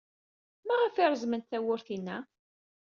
Maɣef ay reẓment tawwurt-inna?